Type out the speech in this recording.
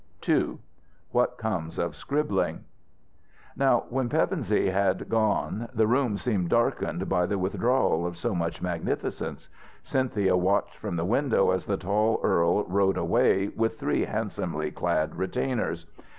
II WHAT COMES OF SCRIBBLING Now when Pevensey had gone the room seemed darkened by the withdrawal of so much magnificence. Cynthia watched from the window as the tall earl rode away, with three handsomely clad retainers.